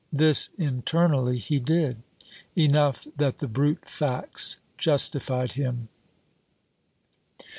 This internally he did. Enough that the brute facts justified him.